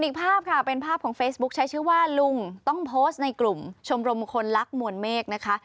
อีกภาพค่ะเป็นภาพของเฟซบุ๊คใช้ชื่อว่าลุงต้องโพสต์ในกลุ่มชมรมคนรักมวลเมฆนะคะ